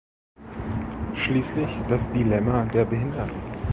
Schließlich das Dilemma der Behinderten.